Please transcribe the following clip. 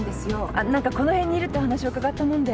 あっ何かこの辺にいるっていうお話を伺ったもんで。